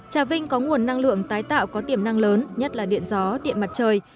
trà vinh có nguồn năng lượng tái tạo có tiềm năng lớn nhất là điện gió điện mặt trời